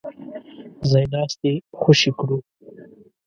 ځای ناستي خوشي کړو.